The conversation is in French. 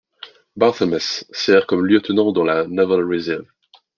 Barthelmess sert comme lieutenant dans la Naval Reserve.